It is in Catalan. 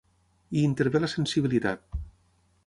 Hi intervé la sensibilitat.